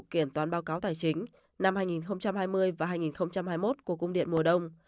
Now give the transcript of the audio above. kiểm toán báo cáo tài chính năm hai nghìn hai mươi và hai nghìn hai mươi một của cung điện mùa đông